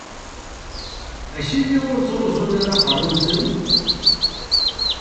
Acimi ur ttruẓun ara aqerru-nsen?